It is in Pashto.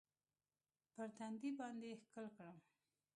پر تندي باندې يې ښکل کړم.